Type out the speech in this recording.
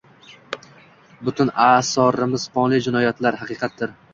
Butun asorimiz qonli, jinoyatlar haqiqatdir